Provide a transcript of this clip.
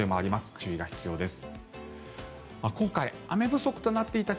注意が必要です。